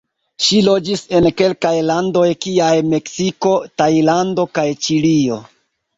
Ŝi loĝis en kelkaj landoj, kiaj Meksiko, Tajlando kaj Ĉilio.